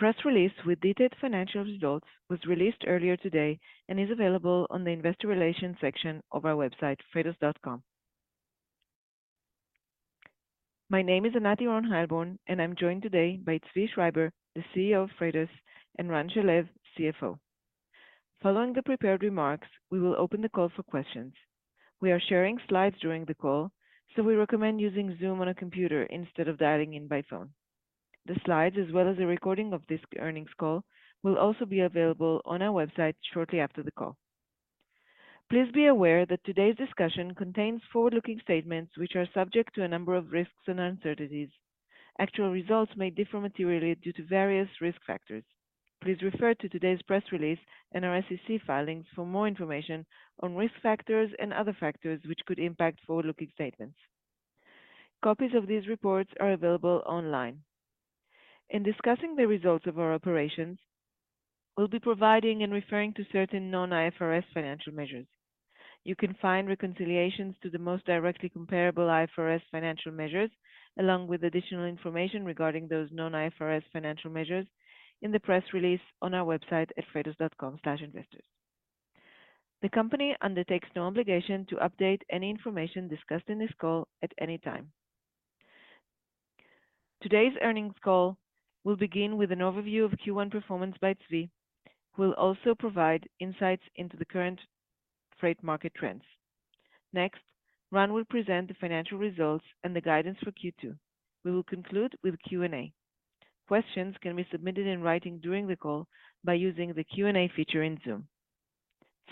A press release with detailed financial results was released earlier today and is available on the Investor Relations section of our website, freightos.com. My name is Anat Earon-Heilborn, and I'm joined today by Zvi Schreiber, the CEO of Freightos, and Ran Shalev, CFO. Following the prepared remarks, we will open the call for questions. We are sharing slides during the call, so we recommend using Zoom on a computer instead of dialing in by phone. The slides, as well as a recording of this earnings call, will also be available on our website shortly after the call. Please be aware that today's discussion contains forward-looking statements which are subject to a number of risks and uncertainties. Actual results may differ materially due to various risk factors. Please refer to today's press release and our SEC filings for more information on risk factors and other factors which could impact forward-looking statements. Copies of these reports are available online. In discussing the results of our operations, we'll be providing and referring to certain Non-IFRS financial measures. You can find reconciliations to the most directly comparable IFRS financial measures, along with additional information regarding those Non-IFRS financial measures in the press release on our website at freightos.com/investors. The company undertakes no obligation to update any information discussed in this call at any time. Today's earnings call will begin with an overview of Q1 performance by Zvi, who will also provide insights into the current freight market trends. Next, Ran will present the financial results and the guidance for Q2. We will conclude with Q&A. Questions can be submitted in writing during the call by using the Q&A feature in Zoom.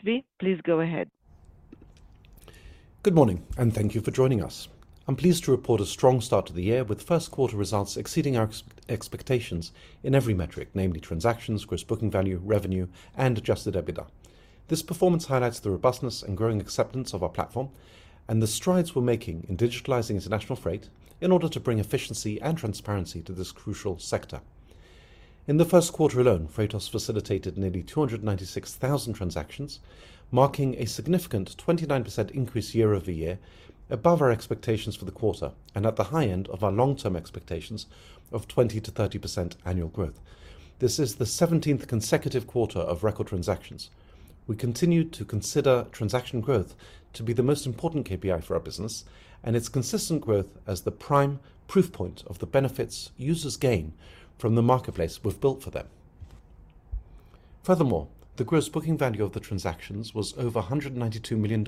Zvi, please go ahead. Good morning, and thank you for joining us. I'm pleased to report a strong start to the year, with first quarter results exceeding our expectations in every metric, namely transactions, gross booking value, revenue, and Adjusted EBITDA. This performance highlights the robustness and growing acceptance of our platform and the strides we're making in digitalizing international freight in order to bring efficiency and transparency to this crucial sector. In the first quarter alone, Freightos facilitated nearly 296,000 transactions, marking a significant 29% increase year-over-year above our expectations for the quarter and at the high end of our long-term expectations of 20%-30% annual growth. This is the 17th consecutive quarter of record transactions. We continue to consider transaction growth to be the most important KPI for our business and its consistent growth as the prime proof point of the benefits users gain from the marketplace we've built for them. Furthermore, the gross booking value of the transactions was over $192 million,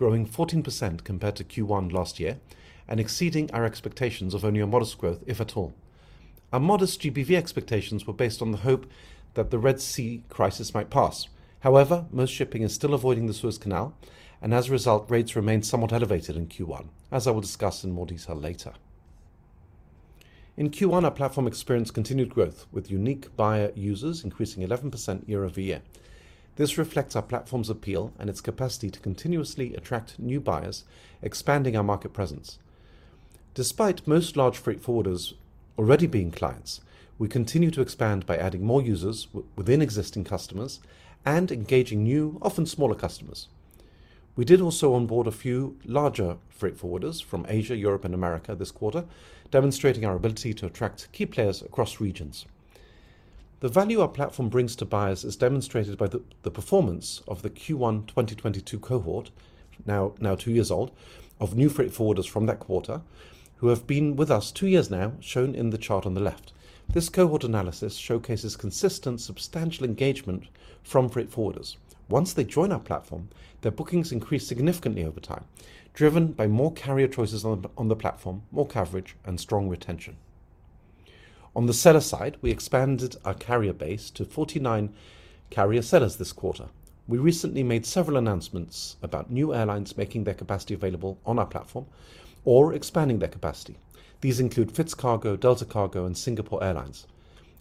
growing 14% compared to Q1 last year and exceeding our expectations of only a modest growth, if at all. Our modest GBV expectations were based on the hope that the Red Sea crisis might pass. However, most shipping is still avoiding the Suez Canal, and as a result, rates remained somewhat elevated in Q1, as I will discuss in more detail later. In Q1, our platform experienced continued growth, with unique buyer users increasing 11% year-over-year. This reflects our platform's appeal and its capacity to continuously attract new buyers, expanding our market presence. Despite most large freight forwarders already being clients, we continue to expand by adding more users within existing customers and engaging new, often smaller customers. We did also onboard a few larger freight forwarders from Asia, Europe, and America this quarter, demonstrating our ability to attract key players across regions. The value our platform brings to buyers is demonstrated by the performance of the Q1 2022 cohort, now two years old, of new freight forwarders from that quarter who have been with us two years now, shown in the chart on the left. This cohort analysis showcases consistent, substantial engagement from freight forwarders. Once they join our platform, their bookings increase significantly over time, driven by more carrier choices on the platform, more coverage, and strong retention. On the seller side, we expanded our carrier base to 49 carrier sellers this quarter. We recently made several announcements about new airlines making their capacity available on our platform or expanding their capacity. These include FITS Cargo, Delta Cargo, and Singapore Airlines.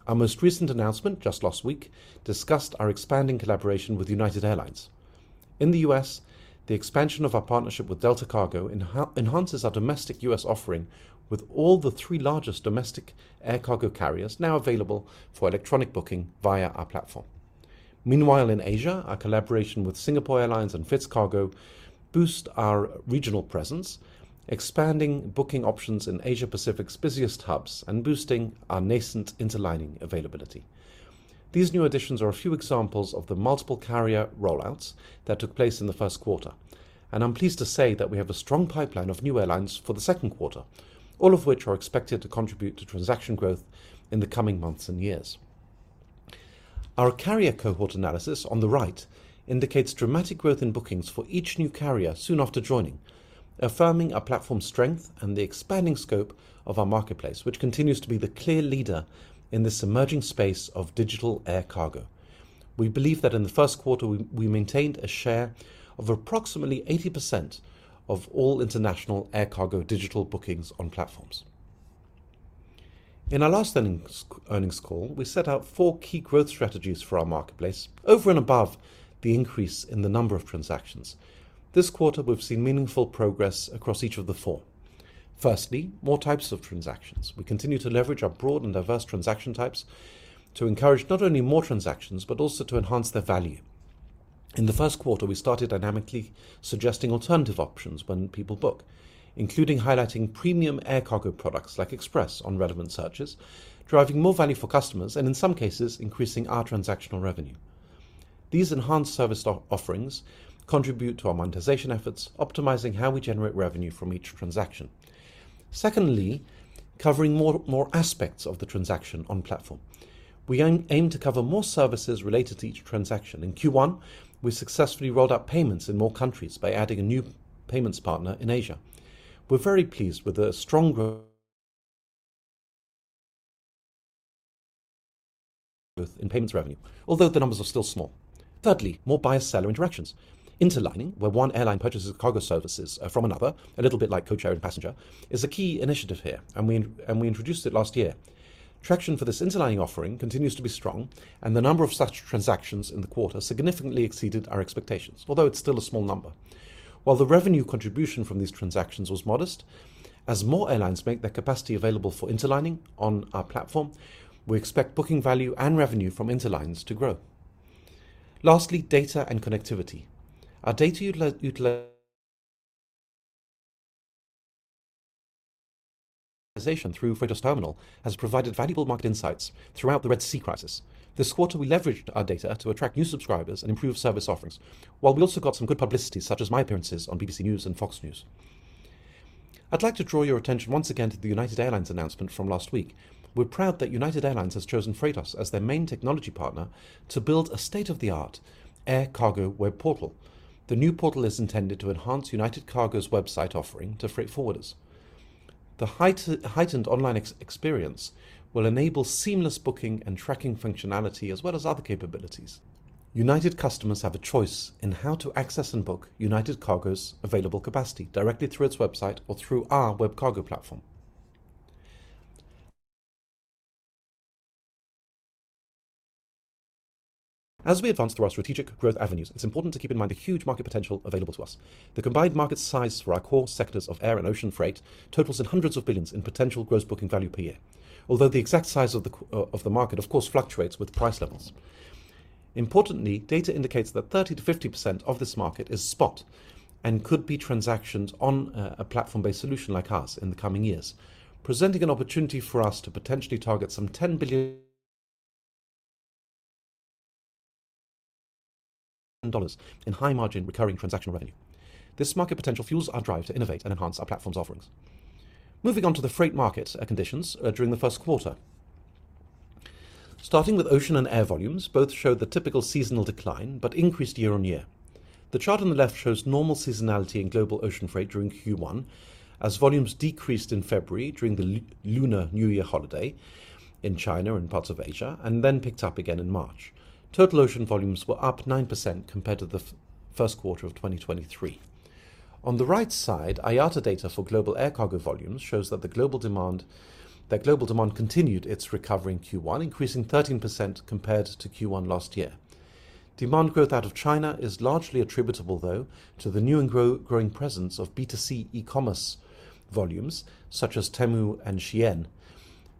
Our most recent announcement, just last week, discussed our expanding collaboration with United Airlines. In the U.S., the expansion of our partnership with Delta Cargo enhances our domestic U.S. offering with all the three largest domestic air cargo carriers now available for electronic booking via our platform. Meanwhile, in Asia, our collaboration with Singapore Airlines and FITS Cargo boost our regional presence, expanding booking options in Asia Pacific's busiest hubs and boosting our nascent interlining availability. These new additions are a few examples of the multiple carrier rollouts that took place in the first quarter, and I'm pleased to say that we have a strong pipeline of new airlines for the second quarter, all of which are expected to contribute to transaction growth in the coming months and years. Our carrier cohort analysis on the right indicates dramatic growth in bookings for each new carrier soon after joining, affirming our platform's strength and the expanding scope of our marketplace, which continues to be the clear leader in this emerging space of digital air cargo. We believe that in the first quarter, we maintained a share of approximately 80% of all international air cargo digital bookings on platforms. In our last earnings call, we set out four key growth strategies for our marketplace over and above the increase in the number of transactions. This quarter, we've seen meaningful progress across each of the four. Firstly, more types of transactions. We continue to leverage our broad and diverse transaction types to encourage not only more transactions, but also to enhance their value. In the first quarter, we started dynamically suggesting alternative options when people book, including highlighting premium air cargo products like Express on relevant searches, driving more value for customers, and in some cases, increasing our transactional revenue. These enhanced service offerings contribute to our monetization efforts, optimizing how we generate revenue from each transaction. Secondly, covering more aspects of the transaction on platform. We aim to cover more services related to each transaction. In Q1, we successfully rolled out payments in more countries by adding a new payments partner in Asia. We're very pleased with the strong growth in payments revenue, although the numbers are still small. Thirdly, more buyer-seller interactions. Interlining, where one airline purchases cargo services from another, a little bit like code-share in passenger, is a key initiative here, and we introduced it last year. Traction for this interlining offering continues to be strong, and the number of such transactions in the quarter significantly exceeded our expectations, although it's still a small number. While the revenue contribution from these transactions was modest, as more airlines make their capacity available for interlining on our platform, we expect booking value and revenue from interlines to grow. Lastly, data and connectivity. Our data utilization through Freightos Terminal has provided valuable market insights throughout the Red Sea crisis. This quarter, we leveraged our data to attract new subscribers and improve service offerings, while we also got some good publicity, such as my appearances on BBC News and Fox News. I'd like to draw your attention once again to the United Airlines announcement from last week. We're proud that United Airlines has chosen Freightos as their main technology partner to build a state-of-the-art air cargo web portal. The new portal is intended to enhance United Cargo's website offering to freight forwarders. The heightened online experience will enable seamless booking and tracking functionality, as well as other capabilities. United customers have a choice in how to access and book United Cargo's available capacity directly through its website or through our WebCargo platform. As we advance through our strategic growth avenues, it's important to keep in mind the huge market potential available to us. The combined market size for our core sectors of air and ocean freight totals in hundreds of billions in potential gross booking value per year, although the exact size of the market, of course, fluctuates with price levels. Importantly, data indicates that 30%-50% of this market is spot and could be transacted on a platform-based solution like ours in the coming years, presenting an opportunity for us to potentially target some $10 billion in high-margin, recurring transactional revenue. This market potential fuels our drive to innovate and enhance our platform's offerings. Moving on to the freight market conditions during the first quarter. Starting with ocean and air volumes, both showed the typical seasonal decline but increased year-on-year. The chart on the left shows normal seasonality in global ocean freight during Q1, as volumes decreased in February during the Lunar New Year holiday in China and parts of Asia, and then picked up again in March. Total ocean volumes were up 9% compared to the first quarter of 2023. On the right side, IATA data for global air cargo volumes shows that the global demand, that global demand continued its recovery in Q1, increasing 13% compared to Q1 last year. Demand growth out of China is largely attributable, though, to the new and growing presence of B2C e-commerce volumes, such as Temu and Shein,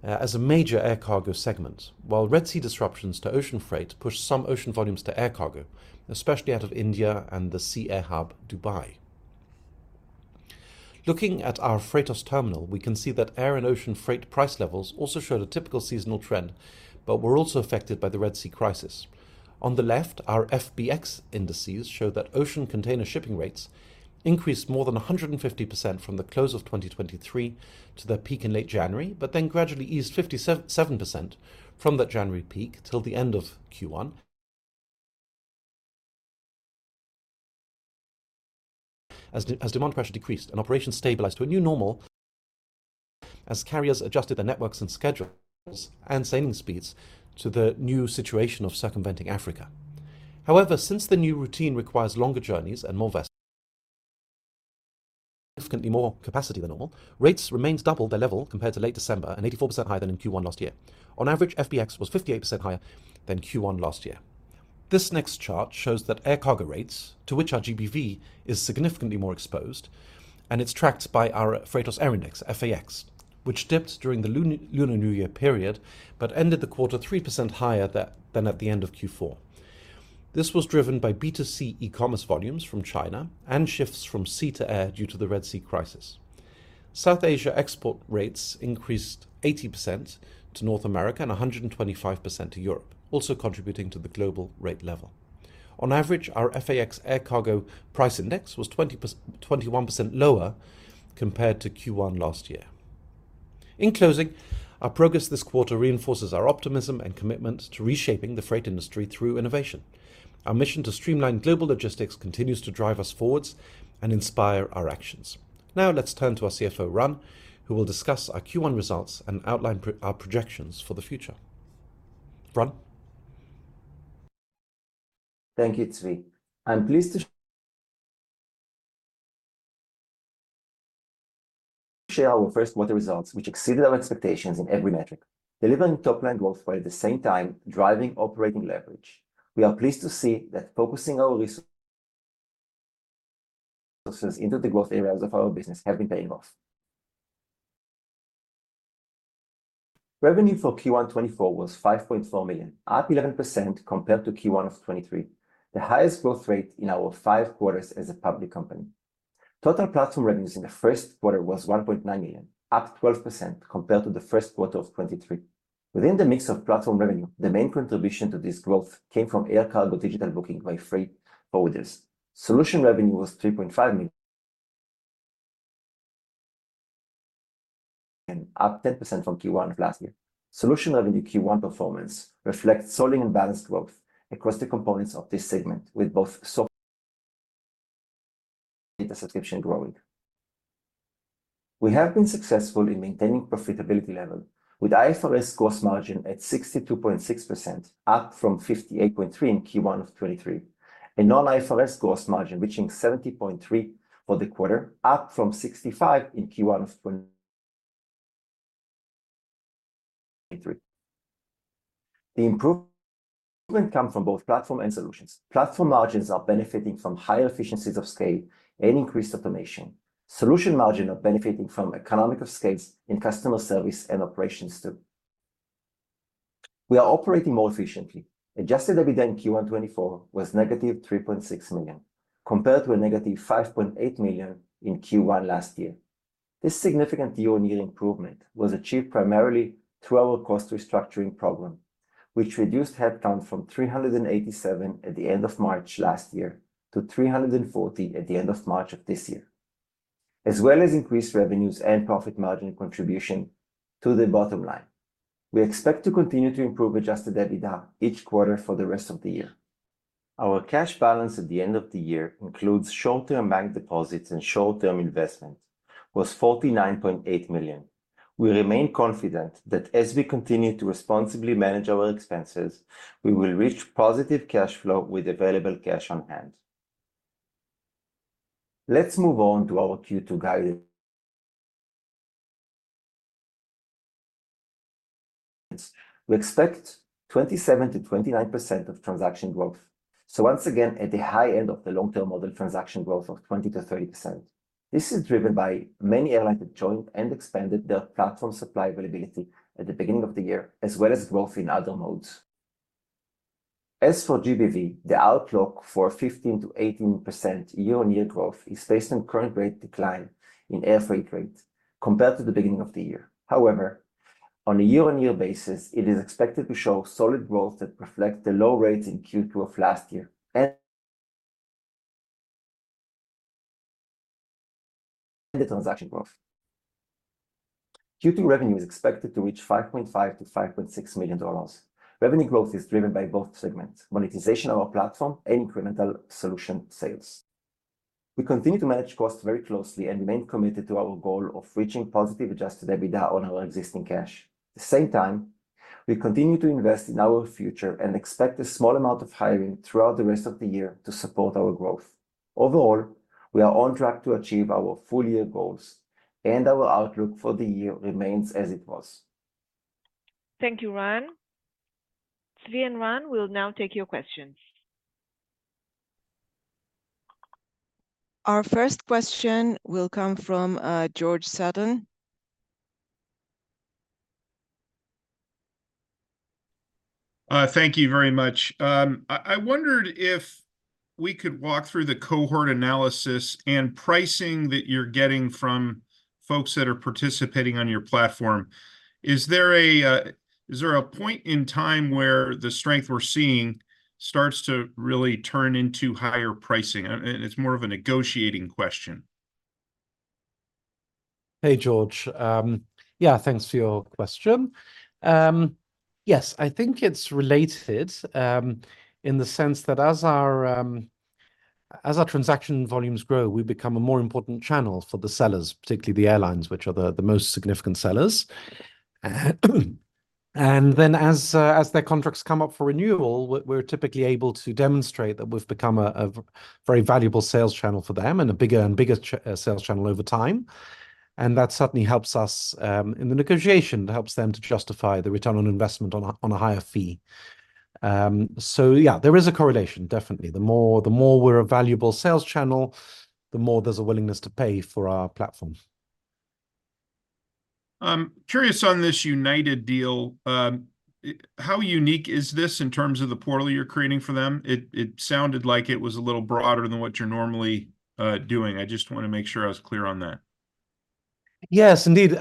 as a major air cargo segment, while Red Sea disruptions to ocean freight pushed some ocean volumes to air cargo, especially out of India and the sea-air hub, Dubai. Looking at our Freightos Terminal, we can see that air and ocean freight price levels also showed a typical seasonal trend, but were also affected by the Red Sea crisis. On the left, our FBX indices show that ocean container shipping rates increased more than 150% from the close of 2023 to their peak in late January, but then gradually eased 57% from that January peak till the end of Q1. As demand pressure decreased and operation stabilized to a new normal, as carriers adjusted their networks and schedules and sailing speeds to the new situation of circumventing Africa. However, since the new routine requires longer journeys and significantly more capacity than normal, rates remains double their level compared to late December and 84% higher than in Q1 last year. On average, FBX was 58% higher than Q1 last year. This next chart shows that air cargo rates, to which our GBV is significantly more exposed, and it's tracked by our Freightos Air Index, FAX, which dipped during the Lunar New Year period but ended the quarter 3% higher than at the end of Q4. This was driven by B2C e-commerce volumes from China and shifts from sea to air due to the Red Sea crisis. South Asia export rates increased 80% to North America and 125% to Europe, also contributing to the global rate level. On average, our FAX Air Cargo Price Index was 21% lower compared to Q1 last year. In closing, our progress this quarter reinforces our optimism and commitment to reshaping the freight industry through innovation. Our mission to streamline global logistics continues to drive us forward and inspire our actions. Now, let's turn to our CFO, Ran, who will discuss our Q1 results and outline our projections for the future. Ran? Thank you, Zvi. I'm pleased to share our first quarter results, which exceeded our expectations in every metric, delivering top-line growth while at the same time driving operating leverage. We are pleased to see that focusing our resources into the growth areas of our business have been paying off. Revenue for Q1 2024 was $5.4 million, up 11% compared to Q1 of 2023, the highest growth rate in our five quarters as a public company. Total platform revenues in the first quarter was $1.9 million, up 12% compared to the first quarter of 2023. Within the mix of platform revenue, the main contribution to this growth came from air cargo digital booking by freight forwarders. Solution revenue was $3.5 million, up 10% from Q1 of last year. Solutions revenue Q1 performance reflects solid and balanced growth across the components of this segment, with both software and subscription growing. We have been successful in maintaining profitability level, with IFRS gross margin at 62.6%, up from 58.3% in Q1 of 2023, and non-IFRS gross margin reaching 70.3% for the quarter, up from 65% in Q1 of 2023. The improvement comes from both platform and solutions. Platform margins are benefiting from higher economies of scale and increased automation. Solutions margins are benefiting from economies of scale in customer service and operations, too. We are operating more efficiently. Adjusted EBITDA in Q1 2024 was negative $3.6 million, compared to a negative $5.8 million in Q1 last year. This significant year-on-year improvement was achieved primarily through our cost restructuring program, which reduced headcount from 387 at the end of March last year to 340 at the end of March of this year, as well as increased revenues and profit margin contribution to the bottom line. We expect to continue to improve Adjusted EBITDA each quarter for the rest of the year. Our cash balance at the end of the year, which includes short-term bank deposits and short-term investments, was $49.8 million. We remain confident that as we continue to responsibly manage our expenses, we will reach positive cash flow with available cash on hand. Let's move on to our Q2 guidance. We expect 27%-29% of transaction growth, so once again, at the high end of the long-term model transaction growth of 20%-30%. This is driven by many airlines that joined and expanded their platform supply availability at the beginning of the year, as well as growth in other modes. As for GBV, the outlook for 15%-18% year-on-year growth is based on current rate decline in air freight rate compared to the beginning of the year. However, on a year-on-year basis, it is expected to show solid growth that reflects the low rates in Q2 of last year and the transaction growth. Q2 revenue is expected to reach $5.5 million-$5.6 million. Revenue growth is driven by both segments, monetization of our platform and incremental solution sales. We continue to manage costs very closely and remain committed to our goal of reaching positive Adjusted EBITDA on our existing cash. At the same time, we continue to invest in our future and expect a small amount of hiring throughout the rest of the year to support our growth. Overall, we are on track to achieve our full year goals, and our outlook for the year remains as it was. Thank you, Ran. Zvi and Ran will now take your questions. Our first question will come from George Sutton. Thank you very much. I wondered if we could walk through the cohort analysis and pricing that you're getting from folks that are participating on your platform. Is there a point in time where the strength we're seeing starts to really turn into higher pricing? And it's more of a negotiating question. Hey, George. Yeah, thanks for your question. Yes, I think it's related, in the sense that as our transaction volumes grow, we become a more important channel for the sellers, particularly the airlines, which are the most significant sellers. And then as their contracts come up for renewal, we're typically able to demonstrate that we've become a very valuable sales channel for them and a bigger and bigger sales channel over time, and that certainly helps us in the negotiation. It helps them to justify the return on investment on a higher fee. So yeah, there is a correlation, definitely. The more we're a valuable sales channel, the more there's a willingness to pay for our platform. I'm curious on this United deal, how unique is this in terms of the portal you're creating for them? It sounded like it was a little broader than what you're normally doing. I just want to make sure I was clear on that. Yes, indeed.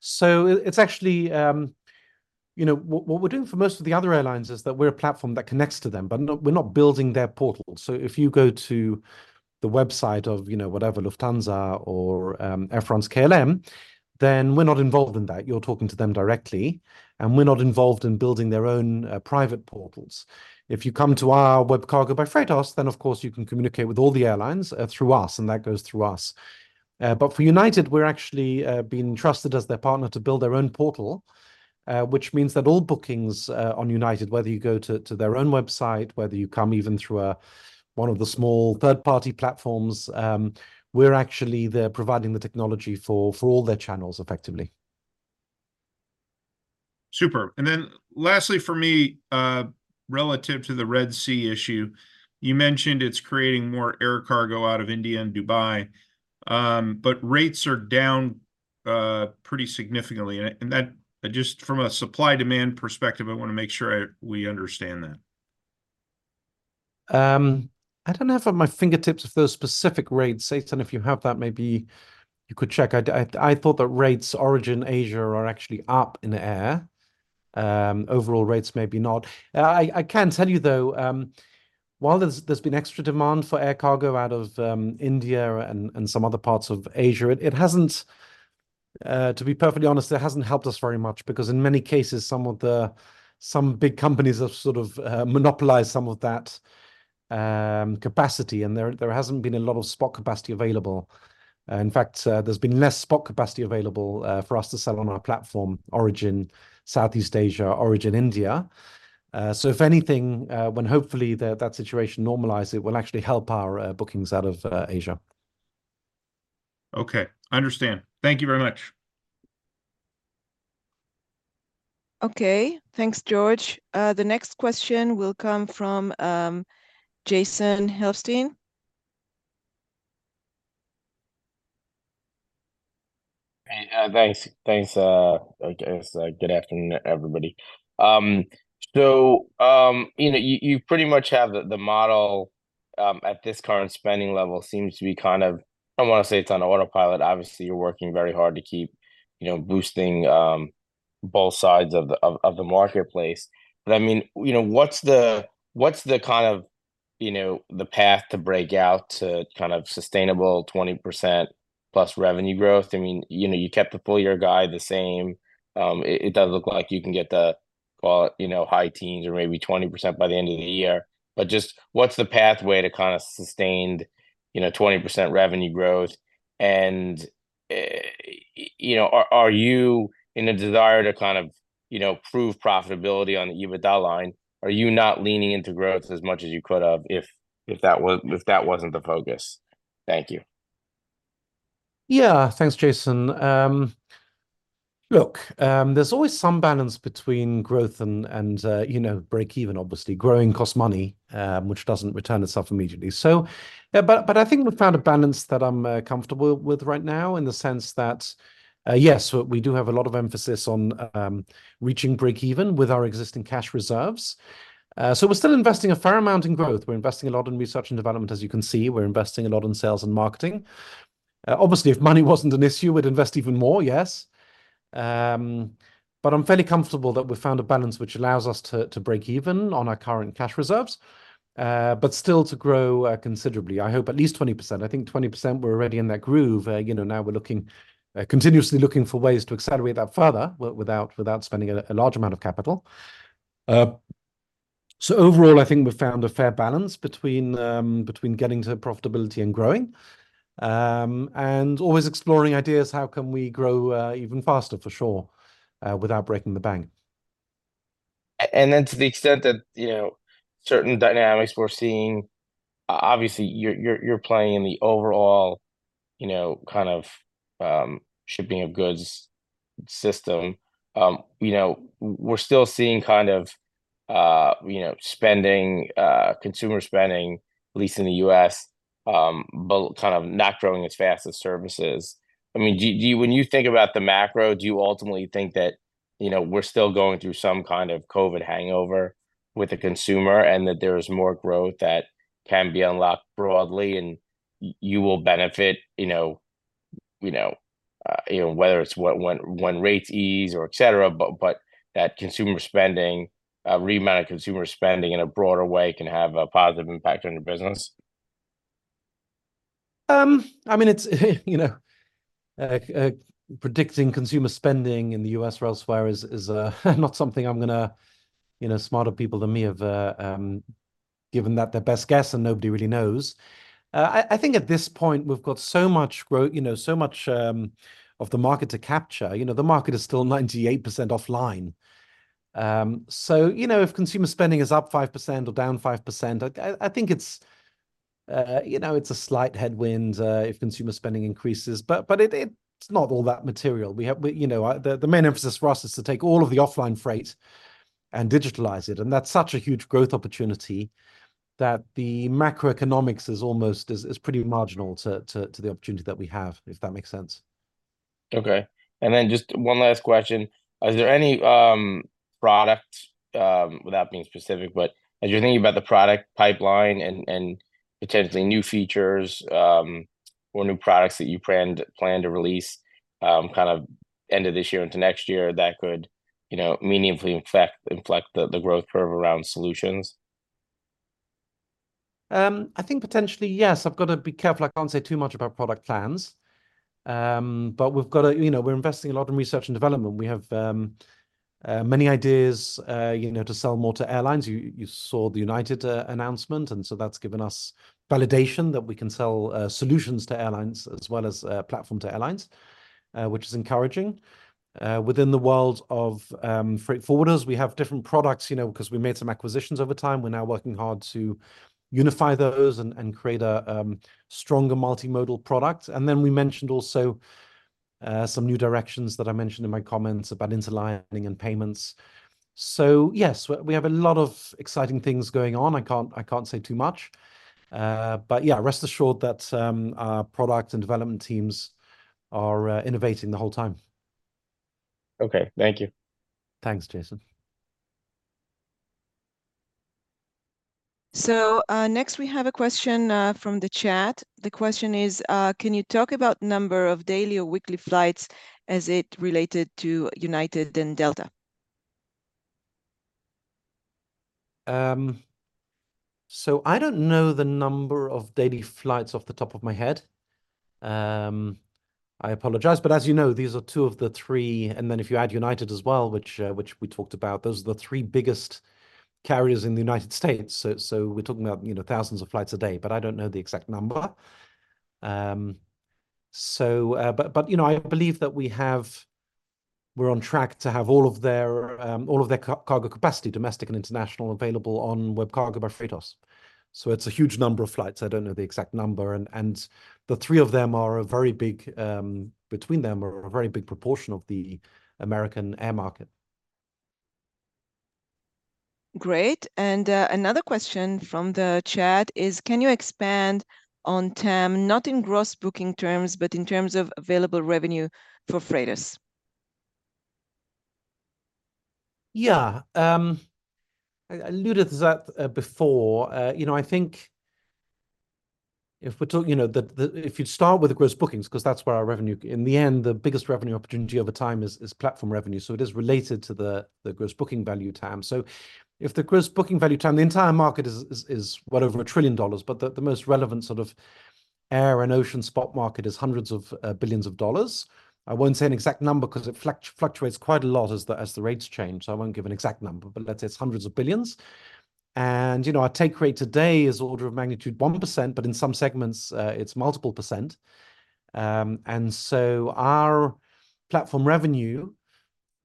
So it's actually. You know, what we're doing for most of the other airlines is that we're a platform that connects to them, but not, we're not building their portal. So if you go to the website of, you know, whatever, Lufthansa or, Air France KLM, then we're not involved in that. You're talking to them directly, and we're not involved in building their own, private portals. If you come to our WebCargo by Freightos, then of course, you can communicate with all the airlines, through us, and that goes through us. But for United, we're actually being trusted as their partner to build their own portal, which means that all bookings on United, whether you go to their own website, whether you come even through one of the small third-party platforms, we're actually there providing the technology for all their channels, effectively. Super. And then lastly for me, relative to the Red Sea issue, you mentioned it's creating more air cargo out of India and Dubai. But rates are down pretty significantly. And that, just from a supply-demand perspective, I wanna make sure we understand that. I don't have at my fingertips those specific rates, Sutton. If you have that, maybe you could check. I thought that rates origin Asia are actually up in the air. Overall rates, maybe not. I can tell you, though, while there's been extra demand for air cargo out of India and some other parts of Asia, it hasn't... to be perfectly honest, it hasn't helped us very much. Because in many cases, some big companies have sort of monopolized some of that capacity, and there hasn't been a lot of spot capacity available. In fact, there's been less spot capacity available for us to sell on our platform, origin Southeast Asia, origin India. So if anything, when hopefully that situation normalizes, it will actually help our bookings out of Asia. Okay, I understand. Thank you very much. Okay. Thanks, George. The next question will come from Jason Helfstein. Hey, thanks, thanks. Okay, so good afternoon, everybody. You know, you pretty much have the model at this current spending level seems to be kind of, I don't wanna say it's on autopilot. Obviously, you're working very hard to keep, you know, boosting both sides of the marketplace. But I mean, you know, what's the kind of, you know, the path to breakout to kind of sustainable 20%+ revenue growth? I mean, you know, you kept the full-year guide the same. It does look like you can get, well, you know, high teens or maybe 20% by the end of the year. But just what's the pathway to kind of sustained, you know, 20% revenue growth? You know, are you in a desire to kind of, you know, prove profitability on the EBITDA line? Are you not leaning into growth as much as you could have, if that wasn't the focus? Thank you. Yeah. Thanks, Jason. Look, there's always some balance between growth and, you know, break even. Obviously, growing costs money, which doesn't return itself immediately. But I think we've found a balance that I'm comfortable with right now, in the sense that, yes, we do have a lot of emphasis on reaching break even with our existing cash reserves. So we're still investing a fair amount in growth. We're investing a lot in research and development, as you can see. We're investing a lot in sales and marketing. Obviously, if money wasn't an issue, we'd invest even more, yes. But I'm fairly comfortable that we've found a balance which allows us to break even on our current cash reserves, but still to grow considerably. I hope at least 20%. I think 20%, we're already in that groove. You know, now we're looking continuously looking for ways to accelerate that further, without spending a large amount of capital. So overall, I think we've found a fair balance between getting to profitability and growing. And always exploring ideas, how can we grow even faster for sure, without breaking the bank? And then, to the extent that, you know, certain dynamics we're seeing, obviously, you're playing in the overall, you know, kind of, shipping of goods system. You know, we're still seeing kind of, you know, spending, consumer spending, at least in the U.S., but kind of not growing as fast as services. I mean, do you. When you think about the macro, do you ultimately think that, you know, we're still going through some kind of COVID hangover with the consumer, and that there is more growth that can be unlocked broadly, and you will benefit. Whether it's when rates ease or et cetera, but that consumer spending, remount of consumer spending in a broader way can have a positive impact on your business? I mean, it's, you know, predicting consumer spending in the U.S. or elsewhere is not something I'm gonna... You know, smarter people than me have given that their best guess, and nobody really knows. I think at this point, we've got so much growth, you know, so much of the market to capture. You know, the market is still 98% offline. So, you know, if consumer spending is up 5% or down 5%, I think it's, you know, it's a slight headwind if consumer spending increases, but it, it's not all that material. We, you know, the main emphasis for us is to take all of the offline freight and digitalize it, and that's such a huge growth opportunity that the macroeconomics is almost pretty marginal to the opportunity that we have, if that makes sense. Okay. And then just one last question. Are there any products, without being specific, but as you're thinking about the product pipeline and potentially new features, or new products that you plan to release, kind of end of this year into next year, that could, you know, meaningfully inflect the growth curve around solutions? I think potentially, yes. I've got to be careful. I can't say too much about product plans. But we've got, you know, we're investing a lot in research and development. We have many ideas, you know, to sell more to airlines. You saw the United announcement, and so that's given us validation that we can sell solutions to airlines as well as platform to airlines, which is encouraging. Within the world of freight forwarders, we have different products, you know, because we made some acquisitions over time. We're now working hard to unify those and create a stronger multimodal product. Then we mentioned also some new directions that I mentioned in my comments about interlining and payments. So, yes, we have a lot of exciting things going on. I can't, I can't say too much. But yeah, rest assured that our product and development teams are innovating the whole time. Okay. Thank you. Thanks, Jason. Next we have a question from the chat. The question is, "Can you talk about number of daily or weekly flights as it related to United and Delta?" So I don't know the number of daily flights off the top of my head. I apologize, but as you know, these are two of the three. And then if you add United as well, which we talked about, those are the three biggest carriers in the United States. So we're talking about, you know, thousands of flights a day, but I don't know the exact number. So, but, you know, I believe that we have- we're on track to have all of their, all of their cargo capacity, domestic and international, available on WebCargo by Freightos. So it's a huge number of flights. I don't know the exact number, and the three of them are a very big proportion of the American air market, between them. Great. And, another question from the chat is, "Can you expand on TAM, not in gross booking terms, but in terms of available revenue for Freightos?" Yeah. I alluded to that before. You know, I think if you start with the gross bookings, 'cause that's where our revenue. In the end, the biggest revenue opportunity over time is platform revenue, so it is related to the gross booking value TAM. So if the gross booking value TAM, the entire market is well over $1 trillion, but the most relevant sort of air and ocean spot market is hundreds of billions of dollars. I won't say an exact number, 'cause it fluctuates quite a lot as the rates change, so I won't give an exact number, but let's say it's hundreds of billions. You know, our take rate today is order of magnitude 1%, but in some segments, it's multiple %.So our platform revenue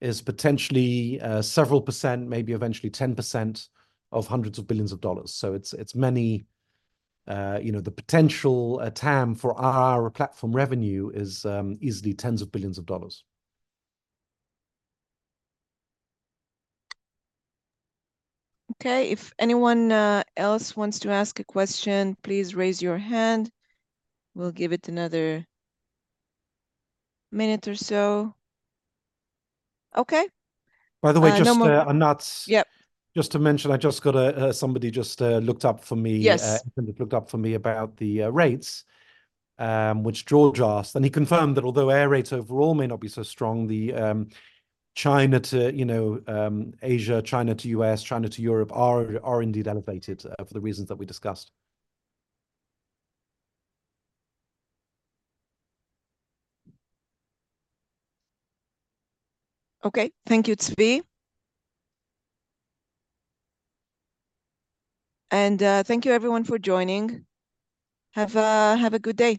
is potentially several percent, maybe eventually 10% of hundreds of billions of dollars. So it's, it's many... You know, the potential TAM for our platform revenue is easily tens of billions of dollars. Okay, if anyone else wants to ask a question, please raise your hand. We'll give it another minute or so. Okay. By the way, just- No more. Uh, Anat- Yep... just to mention, I just got a, somebody just looked up for me- Yes... somebody looked up for me about the rates, which George asked, and he confirmed that although air rates overall may not be so strong, the China to, you know, Asia, China to US, China to Europe, are, are indeed elevated, for the reasons that we discussed. Okay. Thank you, Zvi. Thank you everyone for joining. Have a good day.